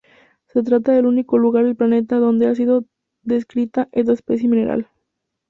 Se trata del único lugar del planeta donde ha sido descrita esta especie mineral.